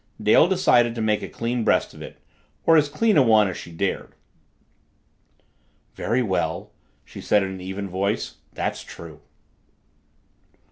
Dale decided to make a clean breast of it, or as clean a one as she dared. "Very well," she said in an even voice, "that's true."